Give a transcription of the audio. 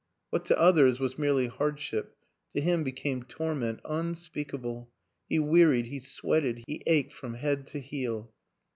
What to others was merely hard ship, to him became torment unspeakable; he wearied, he sweated, he ached from head to heel.